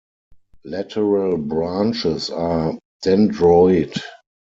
Lateral branches are dendroid.